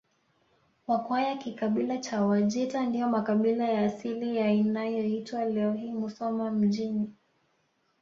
Wakwaya kikabila cha Wajita ndiyo makabila ya asili ya inayoitwa leo hii Musoma mjini